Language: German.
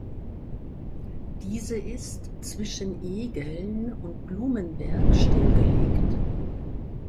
Diese ist zwischen Egeln und Blumenberg stillgelegt.